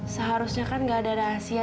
seharusnya kan gak ada rahasia